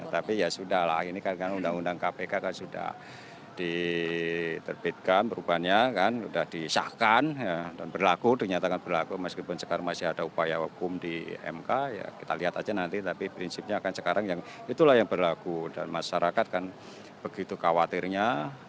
tapi ya sudah lah ini kan undang undang kpk kan sudah diterbitkan perubahannya kan sudah disahkan dan berlaku dinyatakan berlaku meskipun sekarang masih ada upaya hukum di mk ya kita lihat aja nanti tapi prinsipnya akan sekarang yang itulah yang berlaku dan masyarakat kan begitu khawatirnya